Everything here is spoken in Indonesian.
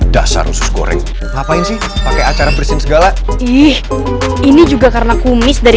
dasar usus goreng ngapain sih pakai acara bersin segala ih ini juga karena kumis dari